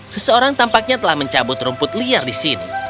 seseorang tampaknya telah mencabut rumput liar di sini